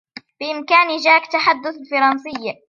بإمكان جاك تحدث الفرنسية.